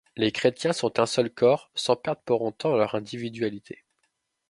Les chrétiens sont un seul corps sans perdre pour autant leur individualité.